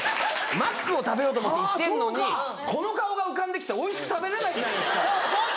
マックを食べようと思って行ってるのにこの顔が浮かんできておいしく食べれないじゃないですか。